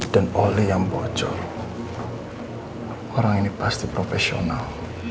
dan oleh yang bocor orang ini pasti profesional